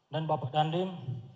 dan bapak dandim